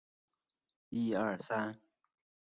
越南万年青为天南星科粗肋草属的植物。